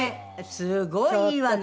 すごいいいわね